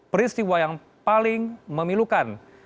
peristiwa yang paling memilukan